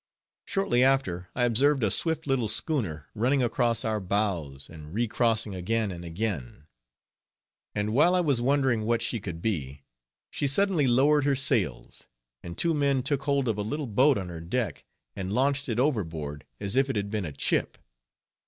Shortly after, I observed a swift little schooner running across our bows, and re crossing again and again; and while I was wondering what she could be, she suddenly lowered her sails, and two men took hold of a little boat on her deck, and launched it overboard as if it had been a chip.